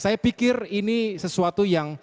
saya pikir ini sesuatu yang